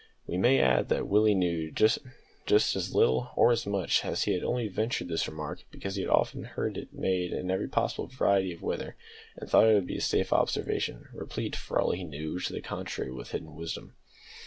We may add that Willie knew just as little (or as much), and had only ventured the remark because he had often heard it made in every possible variety of weather, and thought that it would be a safe observation, replete, for all he knew to the contrary, with hidden wisdom.